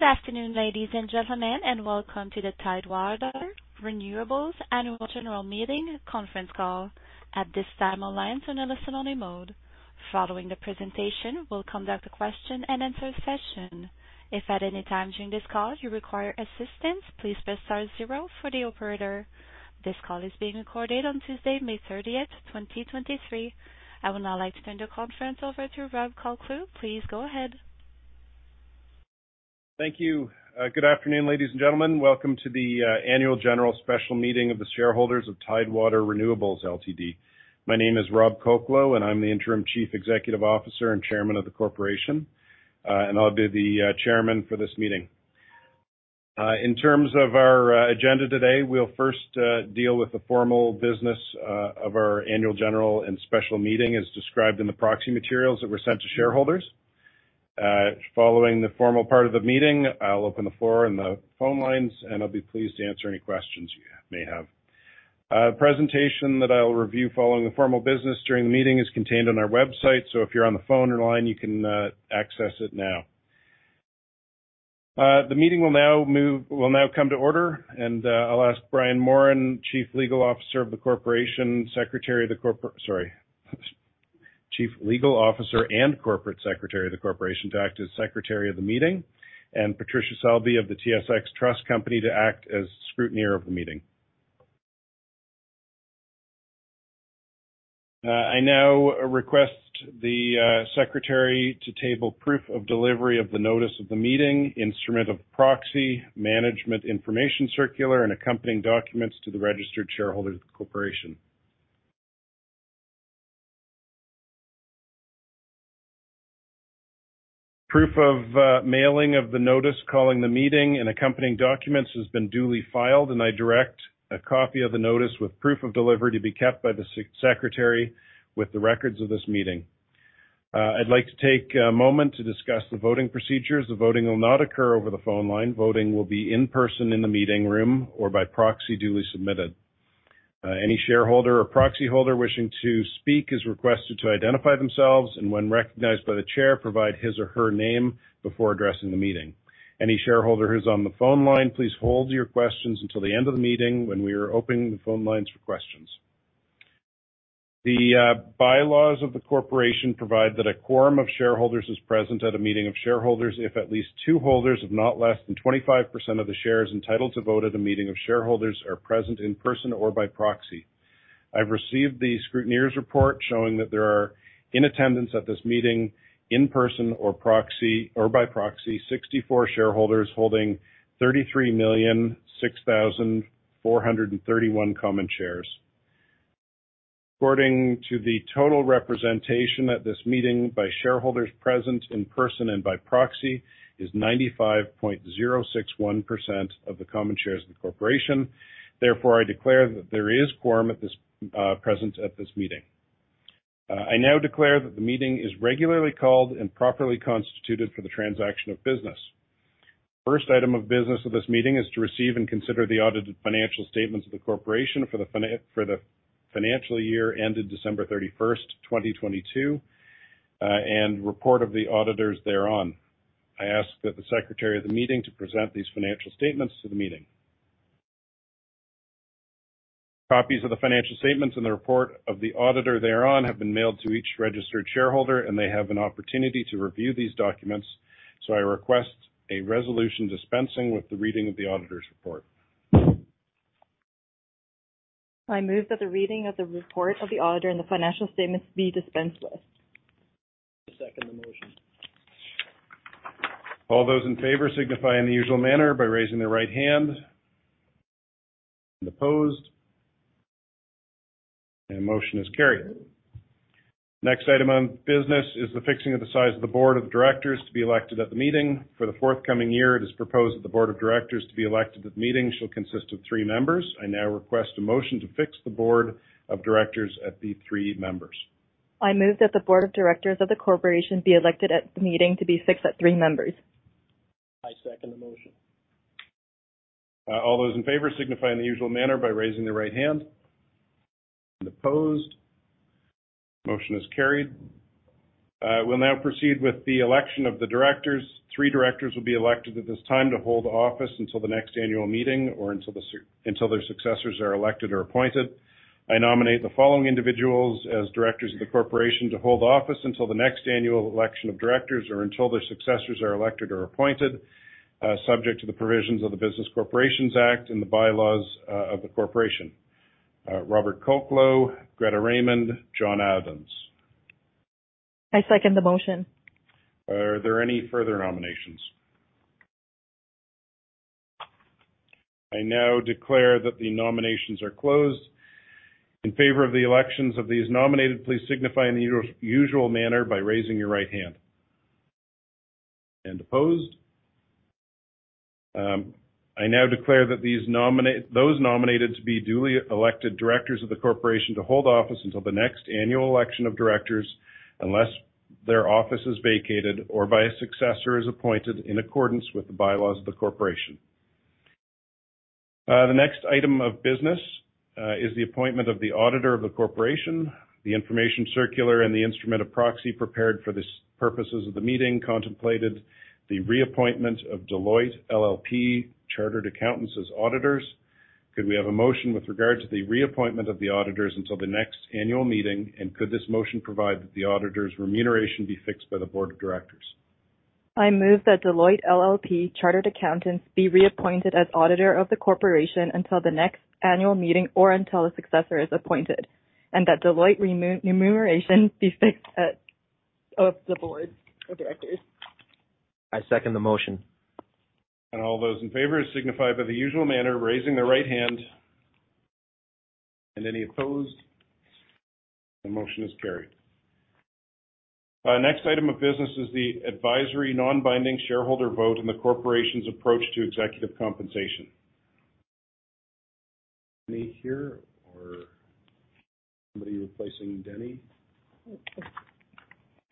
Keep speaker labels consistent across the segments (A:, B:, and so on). A: Good afternoon, ladies and gentlemen, and welcome to the Tidewater Renewables Annual General Meeting conference call. At this time, the lines are in a listen-only mode. Following the presentation, we'll conduct a question-and-answer session. If at any time during this call you require assistance, please press star zero for the operator. This call is being recorded on Tuesday, May 30th, 2023. I would now like to turn the conference over to Rob Colcleugh. Please go ahead.
B: Thank you. Good afternoon, ladies and gentlemen. Welcome to the annual general special meeting of the shareholders of Tidewater Renewables Ltd. My name is Rob Colcleugh, and I'm the Interim Chief Executive Officer and Chairman of the corporation. I'll be the chairman for this meeting. In terms of our agenda today, we'll first deal with the formal business of our annual general and special meeting, as described in the proxy materials that were sent to shareholders. Following the formal part of the meeting, I'll open the floor and the phone lines. I'll be pleased to answer any questions you may have. A presentation that I'll review following the formal business during the meeting is contained on our website. If you're on the phone or line, you can access it now. The meeting will now move... Will now come to order. I'll ask Brian Moran, Chief Legal Officer and Corporate Secretary of the corporation, to act as secretary of the meeting, and Patricia Selby of the TSX Trust Company, to act as scrutineer of the meeting. I now request the secretary to table proof of delivery of the notice of the meeting, instrument of proxy, management information circular, and accompanying documents to the registered shareholders of the corporation. Proof of mailing of the notice calling the meeting and accompanying documents has been duly filed. I direct a copy of the notice with proof of delivery to be kept by the secretary with the records of this meeting. I'd like to take a moment to discuss the voting procedures. The voting will not occur over the phone line. Voting will be in person in the meeting room or by proxy duly submitted. Any shareholder or proxy holder wishing to speak is requested to identify themselves, and when recognized by the chair, provide his or her name before addressing the meeting. Any shareholder who's on the phone line, please hold your questions until the end of the meeting when we are opening the phone lines for questions. The bylaws of the corporation provide that a quorum of shareholders is present at a meeting of shareholders if at least two holders of not less than 25% of the shares entitled to vote at a meeting of shareholders are present in person or by proxy. I've received the scrutineer's report showing that there are, in attendance at this meeting, in person or proxy, or by proxy, 64 shareholders holding 33 million, 6,000, 431 common shares. The total representation at this meeting by shareholders present in person and by proxy, is 95.061% of the common shares of the corporation. I declare that there is quorum present at this meeting. I now declare that the meeting is regularly called and properly constituted for the transaction of business. First item of business of this meeting is to receive and consider the audited financial statements of the corporation for the financial year ended December 31st, 2022, and report of the auditors thereon. I ask that the secretary of the meeting to present these financial statements to the meeting. Copies of the financial statements and the report of the auditor thereon have been mailed to each registered shareholder, and they have an opportunity to review these documents, so I request a resolution dispensing with the reading of the auditor's report.
C: I move that the reading of the report of the auditor and the financial statements be dispensed with. I second the motion.
B: All those in favor signify in the usual manner by raising their right hand. Opposed? Motion is carried. Next item on business is the fixing of the size of the board of directors to be elected at the meeting. For the forthcoming year, it is proposed that the board of directors to be elected at the meeting shall consist of three members. I now request a motion to fix the board of directors at the three members.
C: I move that the board of directors of the corporation be elected at the meeting to be fixed at three members. I second the motion.
B: All those in favor signify in the usual manner by raising their right hand. Opposed? Motion is carried. We'll now proceed with the election of the directors. Three directors will be elected at this time to hold office until the next annual meeting or until their successors are elected or appointed. I nominate the following individuals as directors of the corporation to hold office until the next annual election of directors or until their successors are elected or appointed, subject to the provisions of the Business Corporations Act and the bylaws of the corporation. RRobert Colcleugh, Greta Raymond, John Adams.
C: I second the motion.
B: Are there any further nominations? I now declare that the nominations are closed. In favor of the elections of these nominated, please signify in the usual manner by raising your right hand. Opposed? I now declare that Those nominated to be duly elected directors of the corporation to hold office until the next annual election of directors, unless their office is vacated or by a successor, is appointed in accordance with the bylaws of the corporation. The next item of business is the appointment of the auditor of the corporation. The information circular and the instrument of proxy prepared for this purposes of the meeting, contemplated the reappointment of Deloitte LLP Chartered Accountants as auditors. Could we have a motion with regard to the reappointment of the auditors until the next annual meeting, and could this motion provide that the auditor's remuneration be fixed by the board of directors?
C: I move that Deloitte LLP Chartered Accountants be reappointed as auditor of the corporation until the next annual meeting or until a successor is appointed, and that Deloitte remuneration be fixed at, of the board of directors. I second the motion.
B: All those in favor signify by the usual manner, raising their right hand. Any opposed? The motion is carried. Next item of business is the advisory, non-binding shareholder vote in the corporation's approach to executive compensation. Me here or somebody replacing Denny?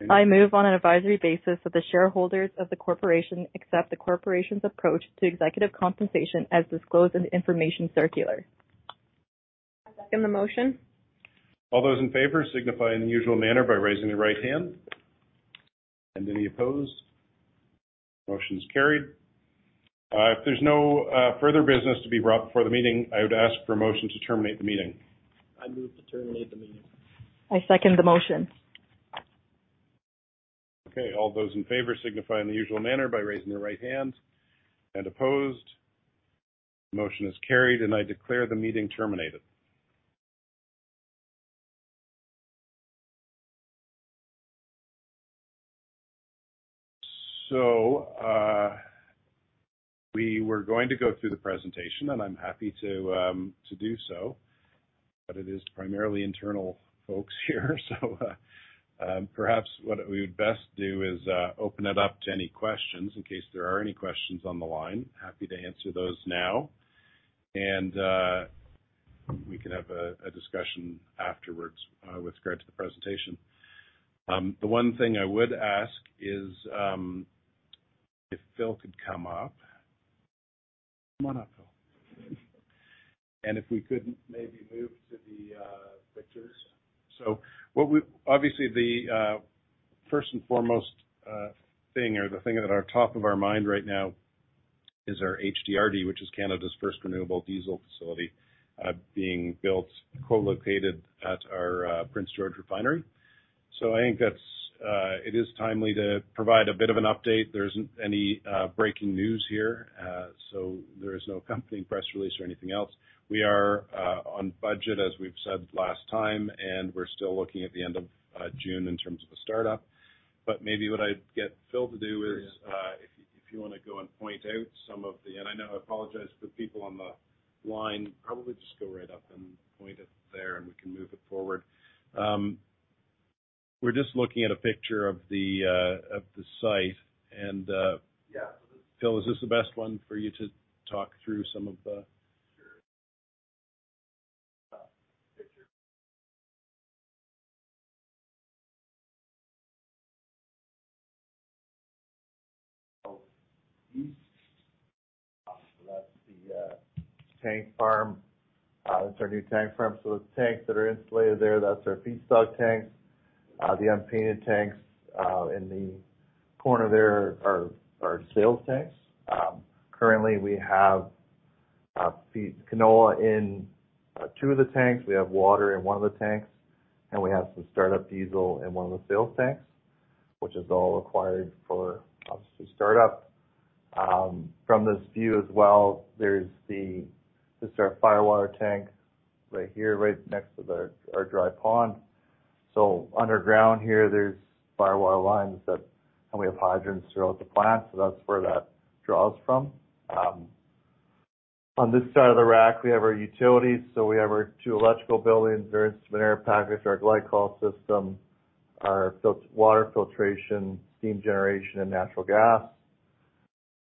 C: I move on an advisory basis that the shareholders of the corporation accept the corporation's approach to executive compensation as disclosed in the information circular. I second the motion.
B: All those in favor signify in the usual manner by raising their right hand. Any opposed? Motion is carried. If there's no further business to be brought before the meeting, I would ask for a motion to terminate the meeting.
C: I move to terminate the meeting. I second the motion.
B: Okay. All those in favor signify in the usual manner by raising their right hand. Opposed? Motion is carried, and I declare the meeting terminated. We were going to go through the presentation, and I'm happy to do so, but it is primarily internal folks here. Perhaps what we would best do is, open it up to any questions in case there are any questions on the line. Happy to answer those now. We can have a discussion afterwards, with regard to the presentation. The one thing I would ask is, if Phil could come up. Come on up, Phil. If we could maybe move to the, pictures. What we... Obviously, the first and foremost thing or the thing at our top of our mind right now is our HDRD, which is Canada's first renewable diesel facility, being built, co-located at our Prince George refinery. I think that's it is timely to provide a bit of an update. There isn't any breaking news here, so there is no accompanying press release or anything else. We are on budget, as we've said last time, and we're still looking at the end of June in terms of the startup. Maybe what I'd get Phil to do is if you want to go and point out some of the... I know, I apologize to the people on the line. Probably just go right up and point it there, and we can move it forward. We're just looking at a picture of the site.
C: Yeah.
B: Phil, is this the best one for you to talk through some of the-?
C: Sure. Picture. That's the tank farm. That's our new tank farm. Those tanks that are insulated there, that's our feedstock tanks. The unpainted tanks in the corner there are our sales tanks. Currently, we have feed canola in two of the tanks. We have water in one of the tanks, and we have some startup diesel in one of the sales tanks, which is all required for, obviously, startup. From this view as well, this is our fire water tank right here, right next to our dry pond. Underground here, there's fire water lines that, and we have hydrants throughout the plant, so that's where that draws from. On this side of the rack, we have our utilities. We have our two electrical buildings, our instrument air package, our glycol system, our water filtration, steam generation, and natural gas.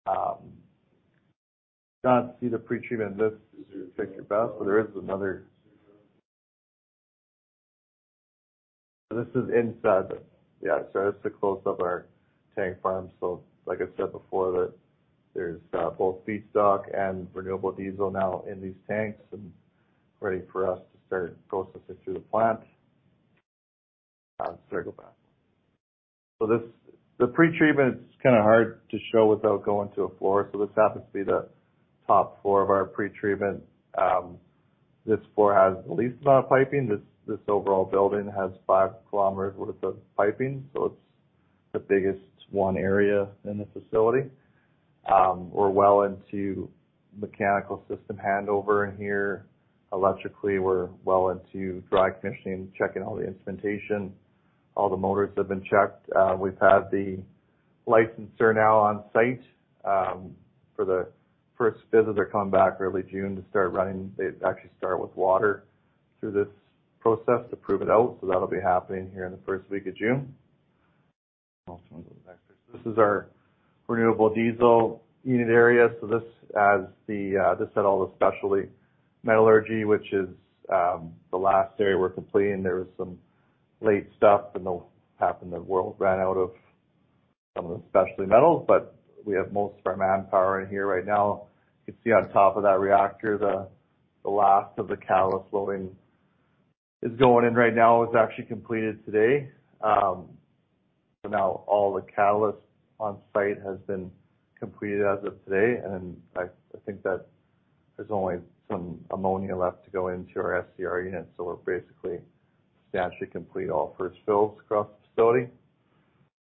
C: You can't see the pretreatment in this, take your best, but there is another. This is inside. Yeah, this is a close-up of our tank farm. Like I said before, that there's both feedstock and renewable diesel now in these tanks and ready for us to start processing through the plant. Go back. This, the pretreatment, it's kind of hard to show without going to a floor. This happens to be the top floor of our pretreatment. This floor has the least amount of piping. This overall building has five kilometers worth of piping, so it's the biggest one area in the facility. We're well into mechanical system handover in here. Electrically, we're well into dry commissioning, checking all the instrumentation. All the motors have been checked. We've had the licensor now on site. For the first visit, they're coming back early June to start running. They actually start with water through this process to prove it out, so that'll be happening here in the first week of June. This is our renewable diesel unit area. This had all the specialty metallurgy, which is the last area we're completing. There was some late stuff, the world ran out of some of the specialty metals, but we have most of our manpower in here right now. You can see on top of that reactor, the last of the catalyst loading is going in right now. It's actually completed today. Now all the catalyst on site has been completed as of today, and I think that there's only some ammonia left to go into our SCR unit. We're basically substantially complete all first fills across the facility.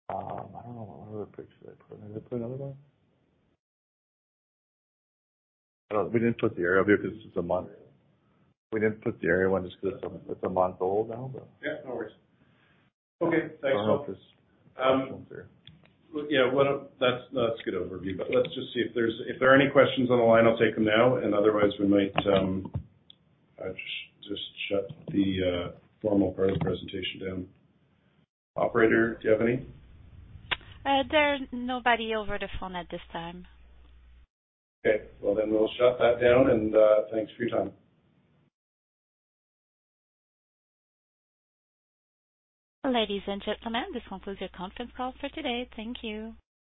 C: I don't know, what other picture I put in. Did I put another one? We didn't put the area up here because it's a month. We didn't put the area one just because it's a month old now.
B: Yeah, no worries. Okay, thanks.
C: I don't know if this-
B: Um...
C: Okay.
B: Yeah, well, that's a good overview. Let's just see if there are any questions on the line. I'll take them now. Otherwise, I've just shut the formal part of the presentation down. Operator, do you have any?
A: There are nobody over the phone at this time.
B: Okay, well, then we'll shut that down, and, thanks for your time.
A: Ladies and gentlemen, this concludes your conference call for today. Thank you.